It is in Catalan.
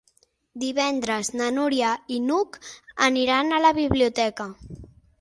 Divendres na Núria i n'Hug aniran a la biblioteca.